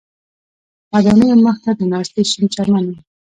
ودانیو مخ ته د ناستي شین چمن و.